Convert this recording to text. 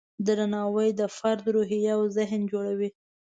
درناوی د فرد روحیه او ذهن جوړوي.